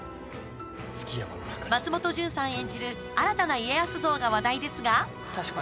松本潤さん演じる新たな家康像が話題ですが。